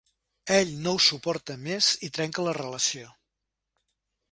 Ell no ho suporta més i trenca la relació.